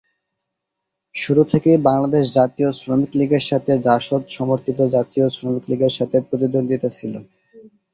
শুরু থেকেই বাংলাদেশ জাতীয় শ্রমিক লীগের সাথে জাসদ সমর্থিত জাতীয় শ্রমিক লীগের সাথে প্রতিদ্বন্দ্বিতা ছিল।